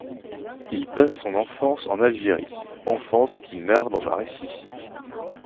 Il passe son enfance en Algérie, enfance qu'il narre dans un récit.